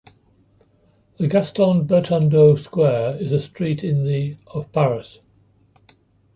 The Gaston-Bertandeau square is a street in the of Paris.